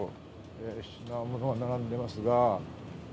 品物が並んでいますが。